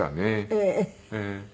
ええ。